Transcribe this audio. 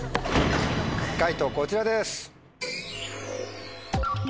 解答こちらです。